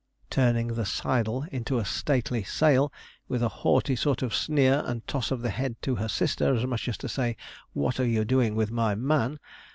Turning the sidle into a stately sail, with a haughty sort of sneer and toss of the head to her sister, as much as to say, 'What are you doing with my man?'